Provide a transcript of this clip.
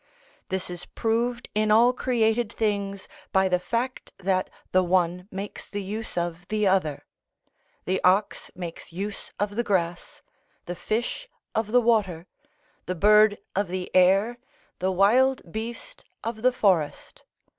This is proved in all created things, by the fact that the one makes the use of the other; the ox makes use of the grass, the fish of the water, the bird of the air, the wild beast of the forest.